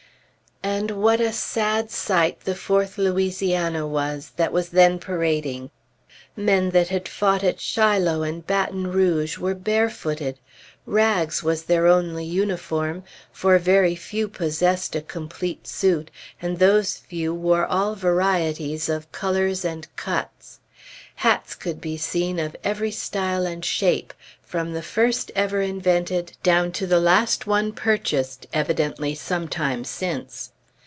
And what a sad sight the Fourth Louisiana was, that was then parading! Men that had fought at Shiloh and Baton Rouge were barefooted. Rags was their only uniform, for very few possessed a complete suit, and those few wore all varieties of colors and cuts. Hats could be seen of every style and shape, from the first ever invented down to the last one purchased evidently some time since.